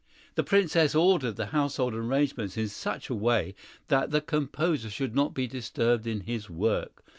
The Princess ordered the household arrangements in such a way that the composer should not be disturbed in his work.